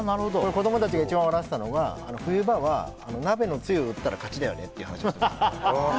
子供たちが一番笑っていたのが冬場は鍋のつゆを売ったら勝ちだよねって話をしていました。